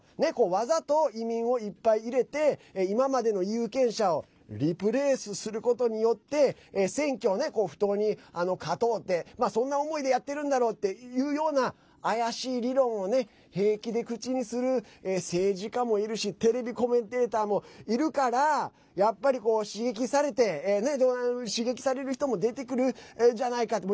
わざと移民をいっぱい入れて今までの有権者をリプレースすることによって選挙を不当に勝とうってそんな思いでやってるんだろうっていうような怪しい理論を平気で口にする政治家もいるしテレビコメンテーターもいるからやっぱり刺激される人も出てくるんじゃないかと。